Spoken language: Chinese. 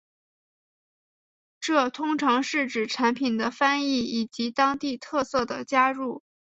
这通常是指产品的翻译以及当地特色的加入。